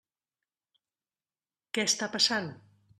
Què està passant?